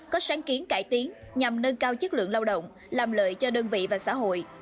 có sáng kiến cải tiến nhằm nâng cao chất lượng lao động làm lợi cho đơn vị và xã hội